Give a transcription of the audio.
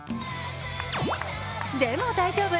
でも大丈夫。